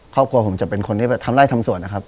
ครอบครัวผมจะเป็นคนที่ทำไล่ทำสวนนะครับ